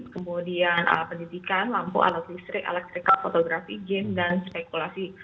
kemudian pendidikan lampu alat listrik elektrikal fotografi game dan spekulasi